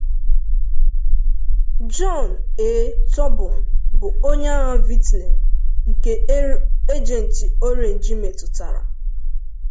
John A. Thorburn, bụ onye agha Vietnam nke Agent Orange metụtara.